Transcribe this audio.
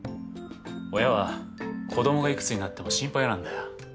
親は子供が幾つになっても心配なんだよ。